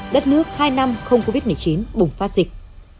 đất nước hai năm không covid một mươi chín bùng phát dịch